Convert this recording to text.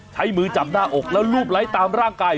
ใช้มือจับหน้าอกแล้วรูปไร้ตามร่างกาย